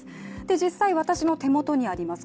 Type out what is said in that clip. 実際、私の手元にあります